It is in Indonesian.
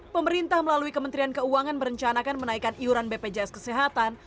pemerintah melalui kementerian keuangan merencanakan menaikkan iuran bpjs kesehatan